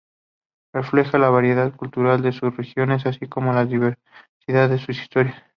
Refleja la variedad cultural de sus regiones así como la diversidad de su historia.